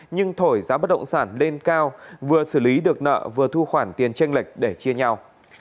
nhưng thổi giá bất động sản lên cao vừa xử lý được nợ vừa thu khoản tiền tranh lệch để chia nhau